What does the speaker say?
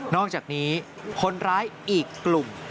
อกจากนี้คนร้ายอีกกลุ่ม